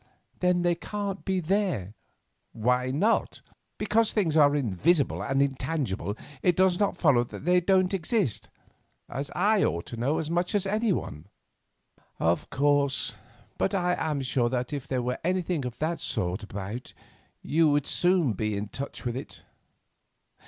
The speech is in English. "Then they can't be there." "Why not? Because things are invisible and intangible it does not follow that they don't exist, as I ought to know as much as anyone." "Of course; but I am sure that if there were anything of that sort about you would soon be in touch with it.